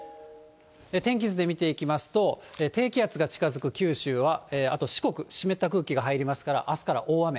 天気図で見ていきますと、低気圧が近づく九州は、あと四国、湿った空気が入りますから、あすから大雨。